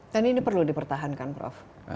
dan ini perlu dipertahankan prof